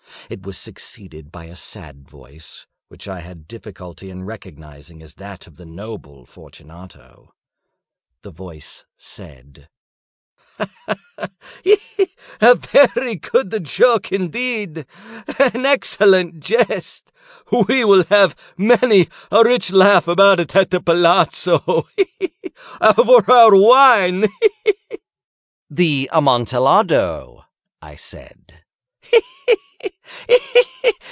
It was succeeded by a sad voice, which I had difficulty in recognising as that of the noble Fortunato. The voice said— "Ha! ha! ha!—he! he!—a very good joke indeed—an excellent jest. We will have many a rich laugh about it at the palazzo—he! he! he!—over our wine—he! he! he!" "The Amontillado!" I said. "He! he! he!—he! he!